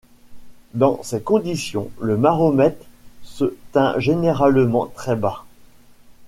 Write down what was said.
Dans ces conditions, le baromètre se tint généralement très bas.